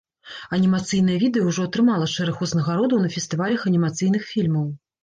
Анімацыйнае відэа ўжо атрымала шэраг узнагародаў на фестывалях анімацыйных фільмаў.